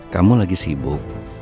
kamu lagi sibuk